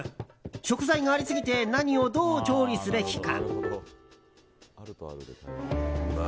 食材がありすぎて何をどう調理すべきか。